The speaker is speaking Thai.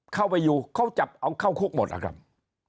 เข้าไปอยู่เขาจับเอาเข้าคุกหมดอะครับ